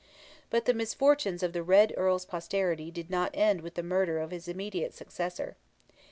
But the misfortunes of the Red Earl's posterity did not end with the murder of his immediate successor.